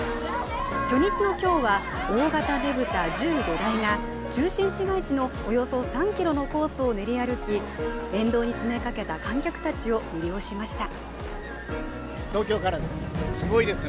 初日の今日は大型ねぶた１５台が中心市街地のおよそ３ｋｍのコースを練り歩き、沿道に詰めかけた観客たちを魅了しました。